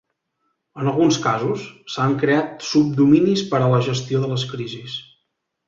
En alguns casos, s'han creat subdominis per a la gestió de les crisis.